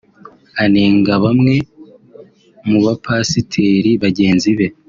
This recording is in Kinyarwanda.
Anenga bamwe mu bapasiteri bagenzi be